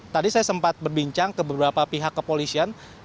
tadi saya sempat berbincang ke beberapa pihak kepolisian